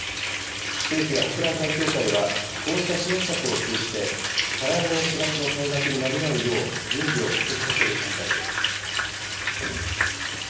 政府や博覧会協会は、こうした支援策を通じて、再来年４月の開幕に間に合うよう準備を加速させる考えです。